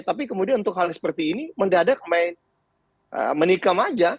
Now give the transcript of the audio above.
tapi kemudian untuk hal seperti ini mendadak main menikam aja